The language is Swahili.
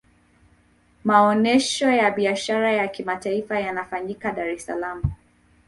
maonesho ya biashara ya kimataifa yanafanyika dar es salaam